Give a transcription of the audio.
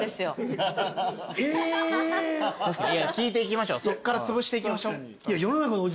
聞いていきましょうそっからつぶしていきましょう。